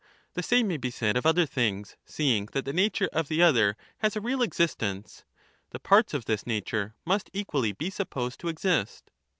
The same may be said of other things ; seeing that stbahgbr, the nature of the other has a real existence, the parts of this thbaitbtus. nature must equally be supposed to exist.